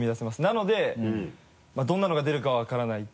なのでどんなのが出るか分からない。